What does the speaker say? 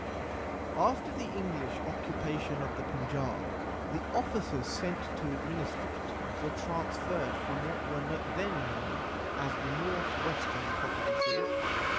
After the English occupation of the Panjab the officers sent to administer it were transferred from what were then known as the North Western Provinces.